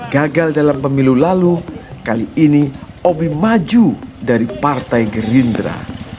gagal dalam pemilu lalu kali ini obie maju dari partai gerindra